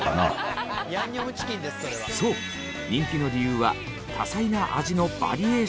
そう人気の理由は多彩な味のバリエーション！